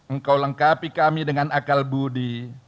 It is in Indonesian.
engkau lengkapi kami dengan akal budi